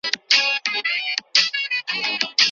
যদি উনার সাথে কথা বলেন, তিনিও একই কথা বলবেন।